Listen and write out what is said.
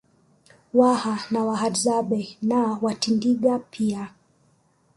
Waha na Wahadzabe na Watindiga pia